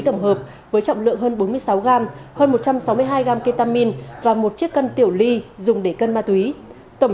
tổng hợp với trọng lượng hơn bốn mươi sáu gram hơn một trăm sáu mươi hai gram ketamin và một chiếc cân tiểu ly dùng để cân ma túy tổng